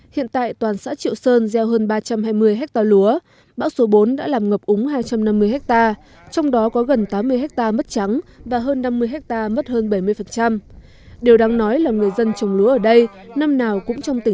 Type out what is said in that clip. hiện tại tỉnh quảng trị đã có một lúa trổ bông nhưng không có hạt bên trong và đã bốc mùi